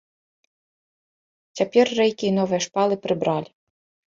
Цяпер рэйкі і новыя шпалы прыбралі.